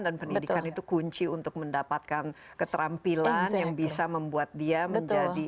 dan pendidikan itu kunci untuk mendapatkan keterampilan yang bisa membuat dia menjadi seorang yang bisa menikah